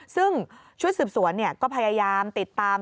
ซึ่งชุดสืบสวนก็พยายามติดตาม